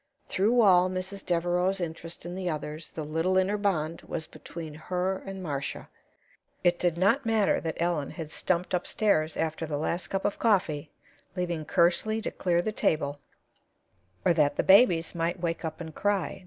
Through all Mrs. Devereaux's interest in the others, the little inner bond was between her and Marcia. It did not matter that Ellen had stumped upstairs after the last cup of coffee, leaving Kersley to clear the table, or that the babies might wake up and cry.